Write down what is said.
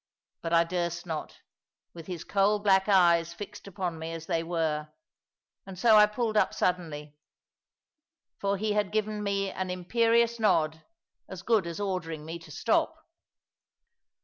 But I durst not, with his coal black eyes fixed upon me as they were, and so I pulled up suddenly. For he had given me an imperious nod, as good as ordering me to stop.